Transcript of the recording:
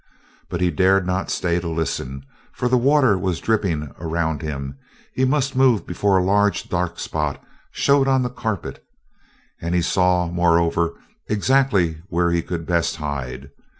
But he dared not stay to listen, for the water was dripping around him; he must move before a large dark spot showed on the carpet, and he saw, moreover, exactly where he could best hide.